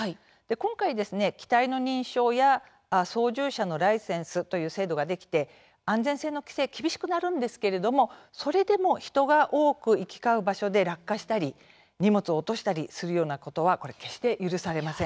今回ですね、機体の認証や操縦者のライセンスという制度ができて、安全性の規制厳しくなるんですけれどもそれでも人が多く行き交う場所で落下したり、荷物を落としたりするようなことは決して許されません。